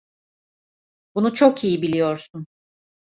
Bunu çok iyi biliyorsun.